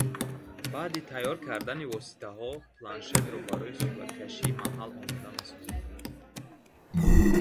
Баъди тайёр кардани воситаҳо планшетро барои сураткашии маҳал омода месозем.